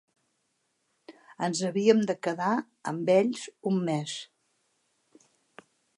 Ens havíem de quedar amb ells un mes.